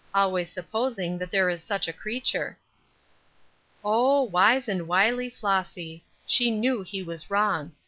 always supposing that there is such a creature." Oh wise and wily Flossy! She knew he was wrong.